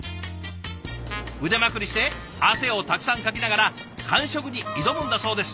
腕まくりして汗をたくさんかきながら完食に挑むんだそうです。